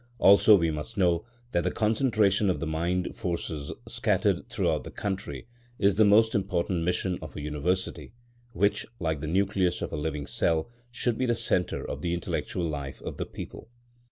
Also we must know that the concentration of the mind forces scattered throughout the country is the most important mission of a University, which, like the nucleus of a living cell, should be the centre of the intellectual life of the people.